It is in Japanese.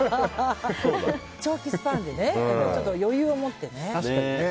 長期スパンでね余裕を持ってね。